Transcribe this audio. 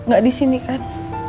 gak disini kan